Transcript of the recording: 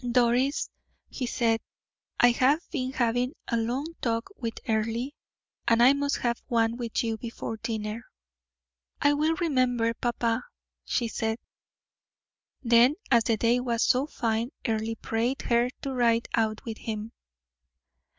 "Doris," he said, "I have been having a long talk with Earle, and I must have one with you before dinner." "I will remember, papa," she said. Then as the day was so fine Earle prayed her to ride out with him.